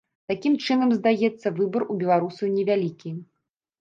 Такім чынам, здаецца, выбар у беларусаў невялікі?